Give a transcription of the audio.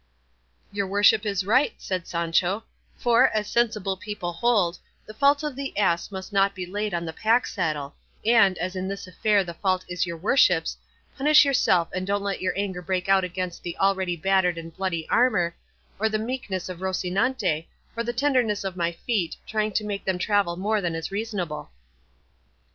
'" "Your worship is right," said Sancho; "for, as sensible people hold, 'the fault of the ass must not be laid on the pack saddle;' and, as in this affair the fault is your worship's, punish yourself and don't let your anger break out against the already battered and bloody armour, or the meekness of Rocinante, or the tenderness of my feet, trying to make them travel more than is reasonable."